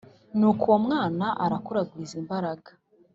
Nuko uwo mwana arakura agwiza imbaraga